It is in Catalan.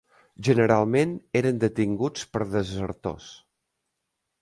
Generalment eren detinguts per desertors